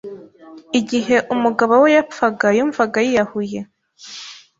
Igihe umugabo we yapfaga, yumvaga yiyahuye.